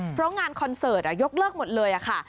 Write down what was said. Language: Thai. เพราะงานคอนเสิร์ตยกเลิกหมดเลยค่ะ